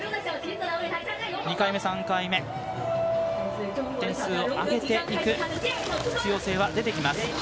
２回目、３回目、点数を上げていく必要性が出てきます。